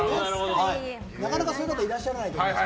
なかなかそういう方いらっしゃらないと思うので。